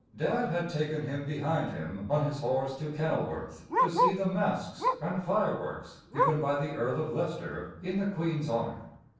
Dad had taken him behind him on his horse to Kenilworth, to see the masks and fireworks given by the Earl of Leicester in the Queen's honor.